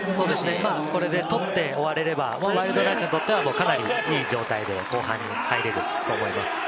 これで取って終われれば、ワイルドナイツにとっては、かなりいい状態で後半に入れると思います。